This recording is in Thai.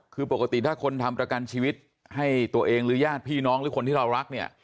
คือปกติถ้าคนทำประกันชีวิตให้ตัวเองหรือญาติพี่น้องหรือคนที่เรารักเนี่ย